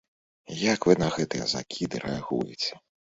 Як вы на гэтыя закіды рэагуеце?